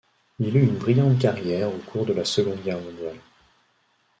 Il eut une brillante carrière au cours de la Seconde Guerre mondiale.